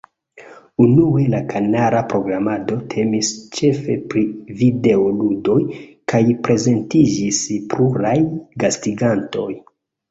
Unue, la kanala programado temis ĉefe pri videoludoj kaj prezentiĝis pluraj gastigantoj.